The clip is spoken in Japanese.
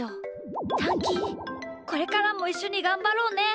タンキーこれからもいっしょにがんばろうね！